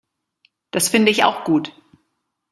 Das finde ich auch gut.